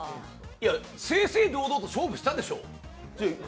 正々堂々勝負したでしょう？